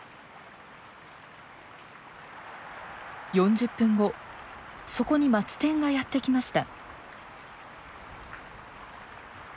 ４０分後そこにマツテンがやって来ました。